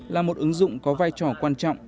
là một ứng dụng có vai trò quan trọng